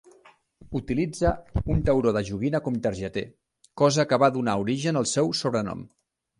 Utilitza un tauró de joguina com targeter, cosa que va donar origen al seu sobrenom.